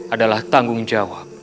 adalah tanggung jawab